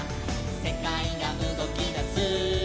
「せかいがうごきだす」「」